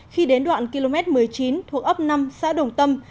khi đến đoạn km một mươi chín thuộc ấp năm xã đồng tâm